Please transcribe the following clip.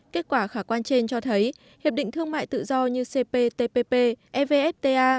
kết quả khả quan trên cho thấy hiệp định thương mại tự do như cptpp evfta